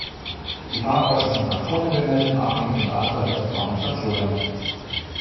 Die Fahrpreise sind nach Zonen bemessen, abhängig von der Anzahl der zu fahrenden Stationen.